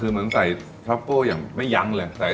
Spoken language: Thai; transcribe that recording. คือเหมือนใส่ช็อปโป้อย่างไม่ยั้งเลย